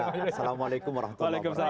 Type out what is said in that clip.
assalamualaikum warahmatullahi wabarakatuh